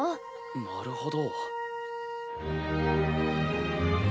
なるほど。